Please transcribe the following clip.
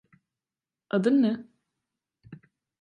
Adın ne?